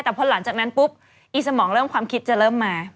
แต่พอหลังจากนั้นปุ๊บอีสมองเริ่มความคิดจะเริ่มมา